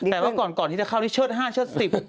แต่ว่าก่อนที่จะเข้าดิชเชิด๑๕๑๐